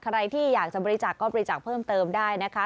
ใครที่อยากจะบริจาคก็บริจาคเพิ่มเติมได้นะคะ